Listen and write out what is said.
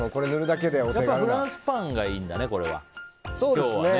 フランスパンがいいんだね今日は。